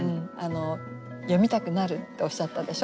「読みたくなる」っておっしゃったでしょ？